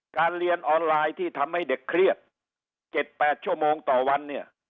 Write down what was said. เรียนออนไลน์ที่ทำให้เด็กเครียด๗๘ชั่วโมงต่อวันเนี่ย